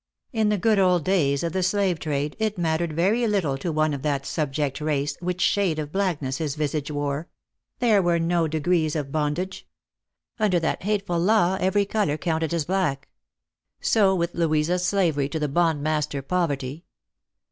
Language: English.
In the good old days of the slave trade it mattered very little to one of that subject race which shade of blackness his visage wore. There were no degrees of bondage. Under that hateful law every colour counted as black. So with Louisa's slavery to the> bond master Poverty.